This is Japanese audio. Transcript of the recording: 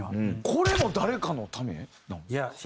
これも誰かのため？